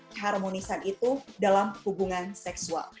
keharmonisan itu dalam hubungan seksual